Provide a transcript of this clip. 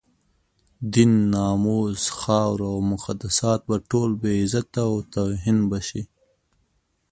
دين، ناموس، خاوره او مقدسات به ټول بې عزته او توهین به شي.